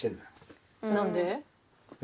何で？